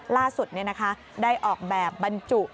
ล่าสุดนี้นะคะได้ออกแบบบรรจุ